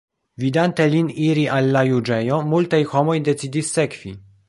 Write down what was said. Vidante lin iri al la juĝejo, multaj homoj decidis sekvi.